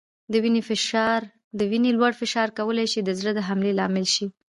د وینې لوړ فشار کولای شي د زړه د حملې لامل شي.